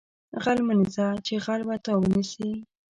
غل مه نیسه چې غل به تا ونیسي